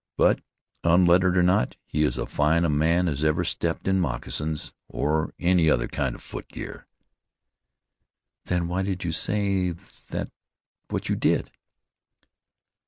But, unlettered or not, he is as fine a man as ever stepped in moccasins, or any other kind of foot gear." "Then why did you say that what you did?"